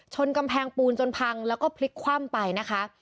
กำแพงปูนจนพังแล้วก็พลิกคว่ำไปนะคะ